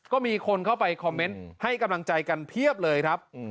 ก็มีคนเข้าไปคอมเมนต์ให้กำลังใจกันเพียบเลยครับ